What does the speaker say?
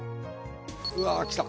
うわっ来た。